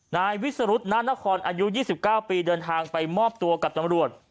นายวิสรุธนานครอายุ๒๙ปีเดินทางไปมอบตัวกับตำรวจ